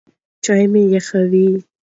چای مه یخوئ.